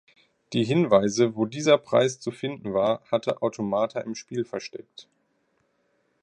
Die Hinweise, wo dieser Preis zu finden war, hatte Automata im Spiel versteckt.